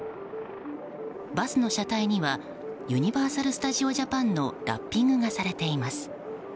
バスの車体には、ユニバーサル・スタジオ・ジャパンのラッピングがされています。